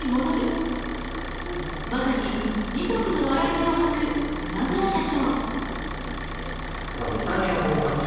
まさに二足のわらじを履く今村社長。